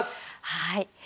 はい。